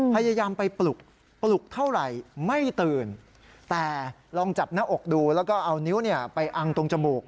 พยายามไปปลุกปลุกเท่าไหร่ไม่ตื่นแต่ลองจับหน้าอกดูแล้วก็เอานิ้วไปอังตรงจมูก